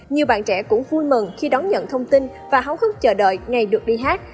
nhiều bạn trẻ cũng vui mừng khi đón nhận thông tin và háo hức chờ đợi ngày được đi hát